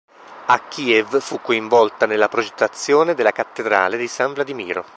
A Kiev fu coinvolta nella progettazione della Cattedrale di San Vladimiro.